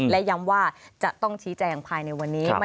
และย้ำว่าจะต้องชี้แจงภายในวันนี้